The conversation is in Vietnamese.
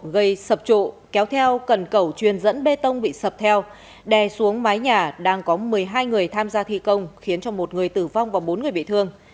gây sập trộ kéo theo cần cầu truyền dẫn bê tông bị sập theo đè xuống mái nhà đang có một mươi hai người tham gia thi công khiến cho một người tử vong và bốn người bị thương